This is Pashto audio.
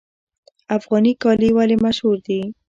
افغاني کالي ولې مشهور دي؟